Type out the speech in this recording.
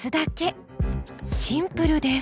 シンプルです。